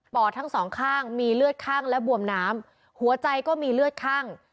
อดทั้งสองข้างมีเลือดข้างและบวมน้ำหัวใจก็มีเลือดข้าง